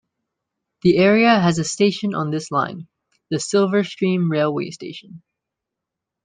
The area has a station on this line; the Silverstream Railway Station.